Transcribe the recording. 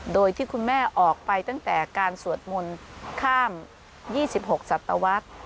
โดยที่คุณแม่ออกไปตั้งแต่การสวดมนต์ข้าม๒๖ศัตวรรษ